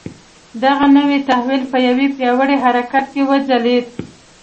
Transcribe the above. دغه نوی تحول په یوه پیاوړي حرکت کې وځلېد.